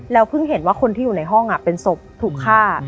เพิ่งเห็นว่าคนที่อยู่ในห้องเป็นศพถูกฆ่า